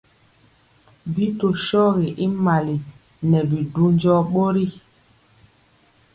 Bi tɔɔ shɔgi y mali, nɛ bidu ndɔɔ bori.